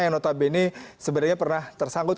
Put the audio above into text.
yang notabene sebenarnya pernah tersangkut